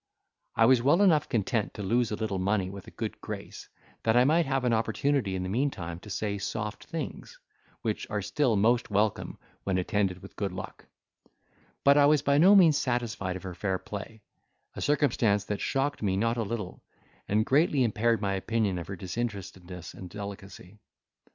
I was well enough content to lose a little money with a good grace, that I might have an opportunity in the meantime to say soft things, which are still most welcome when attended with good luck; but I was by no means satisfied of her fair play, a circumstance that shocked me not a little, and greatly impaired my opinion of her disinterestedness and delicacy.